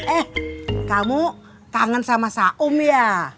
eh kamu kangen sama saum ya